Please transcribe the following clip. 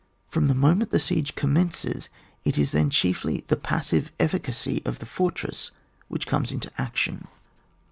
From the moment the siege commences, it is then chiefly the passive efficacy of the fortress which comes into action.